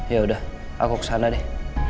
ya udah aku kesana deh